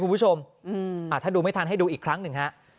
คุณผู้ชมถ้าดูไม่ทันให้ดูอีกครั้งหนึ่งฮะ